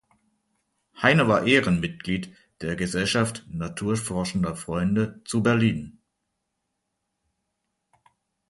Hayne war Ehrenmitglied der Gesellschaft Naturforschender Freunde zu Berlin.